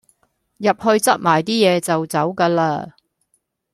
入去執埋啲嘢就走架喇